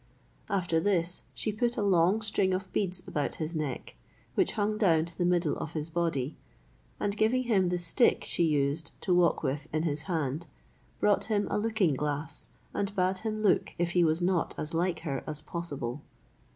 After this, she put a long string of beads about his neck, which hung down to the middle of his body, and giving him the stick she used to walk with in his hand, brought him a looking glass, and bade him look if he was not as like her as possible.